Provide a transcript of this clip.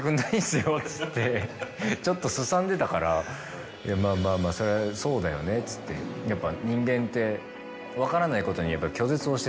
ちょっとすさんでたから「まぁまぁまぁそりゃそうだよね」っつってやっぱ。